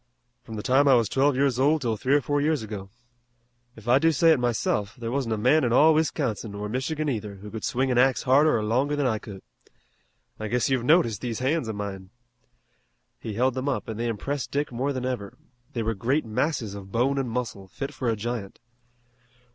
"From the time I was twelve years old 'til three or four years ago. If I do say it myself, there wasn't a man in all Wisconsin, or Michigan either, who could swing an axe harder or longer than I could. I guess you've noticed these hands of mine." He held them up, and they impressed Dick more than ever. They were great masses of bone and muscle fit for a giant.